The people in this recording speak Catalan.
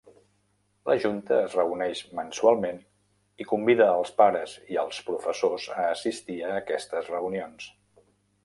La junta es reuneix mensualment i convida als pares i als professors a assistir a aquestes reunions.